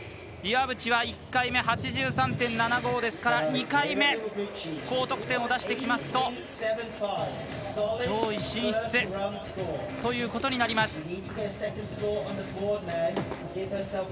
岩渕は１回目８３．７５ですから２回目、高得点を出しますと上位進出ということになります。